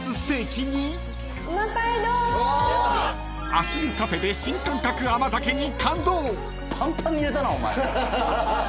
［足湯カフェで新感覚甘酒に感動］